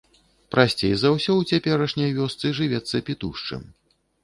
Прасцей за ўсё ў цяперашняй вёсцы жывецца пітушчым.